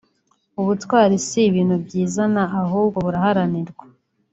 ubutwari si ibintu byizana ahubwo buraharanirwa